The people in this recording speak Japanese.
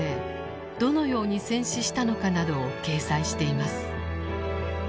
どのように戦死したのかなどを掲載しています。